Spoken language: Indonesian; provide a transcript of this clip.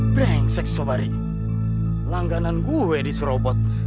brengsek sobari langganan gue diserobot